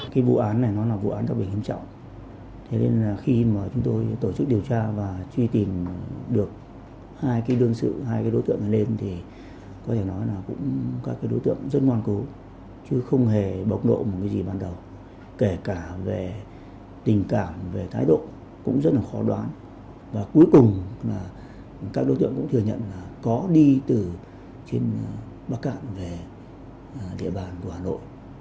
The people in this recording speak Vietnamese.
cái vụ án này nó là vụ án rất là hiểm trọng thế nên là khi mà chúng tôi tổ chức điều tra và truy tìm được hai cái đơn sự hai cái đối tượng này lên thì có thể nói là cũng các cái đối tượng rất ngoan cố chứ không hề bọc độ một cái gì ban đầu kể cả về tình cảm về thái độ cũng rất là khó đoán và cuối cùng là các đối tượng cũng thừa nhận là có đi từ trên bắc cạn về địa bàn của hà nội